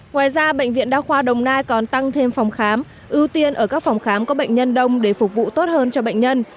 ngoài ra bệnh viện đa khoa đồng nai còn tăng thêm phòng khám ưu tiên ở các phòng khám có bệnh nhân đông để phục vụ tốt hơn cho bệnh nhân